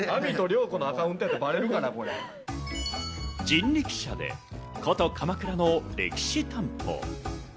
人力車で古都・鎌倉の歴史探訪。